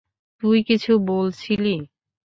তুই কিছু বলছিলি।